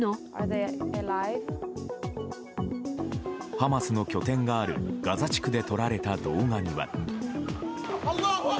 ハマスの拠点があるガザ地区で撮られた動画には。